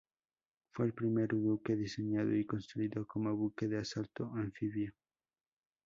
Fue el primer buque diseñado y construido como buque de asalto anfibio.